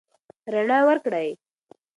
رڼا ورکړئ.